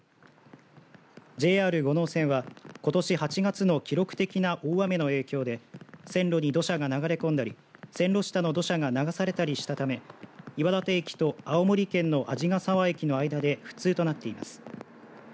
ＪＲ五能線はことし８月の記録的な大雨の影響で線路に土砂が流れ込んだり線路下の土砂が流されたりしたため岩館駅と青森県の鯵ケ沢駅の間で不通となっています。